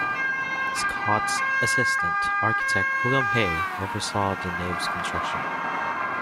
Scott's assistant, architect William Hay, oversaw the nave's construction.